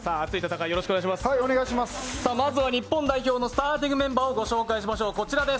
まずは日本代表のスターティングメンバーをご紹介します。